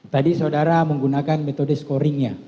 tadi saudara menggunakan metode scoring ya